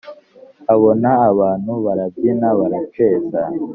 abona abantu barabyina, baraceza,